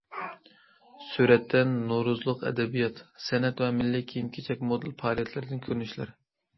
سۈرەتتە: نورۇزلۇق ئەدەبىيات- سەنئەت ۋە مىللىي كىيىم- كېچەك مودېل پائالىيەتلىرىدىن كۆرۈنۈشلەر.